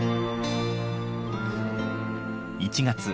１月。